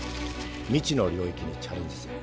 未知の領域にチャレンジする。